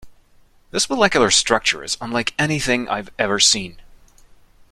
This molecular structure is unlike anything I've ever seen.